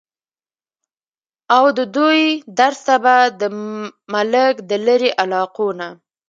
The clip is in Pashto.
اود دوي درس ته به د ملک د لرې علاقو نه